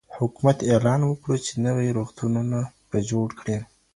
حکومت اعلان وکړ چی نوي روغتونونه به جوړ کړي.